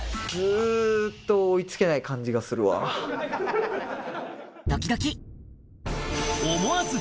ずっと追いつけない感じがするわ。